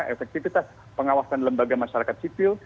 efektivitas pengawasan lembaga masyarakat sipil